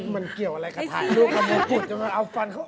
มันเกี่ยวอะไรกับถ่ายลูกเอาฟันเขาออก